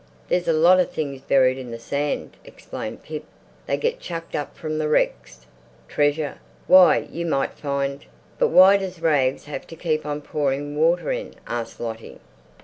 "There's lots of things buried in the sand," explained Pip. "They get chucked up from wrecks. Treasure. Why—you might find—" "But why does Rags have to keep on pouring water in?" asked Lottie.